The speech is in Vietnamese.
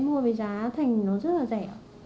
em mua vì giá thành nó rất là rẻ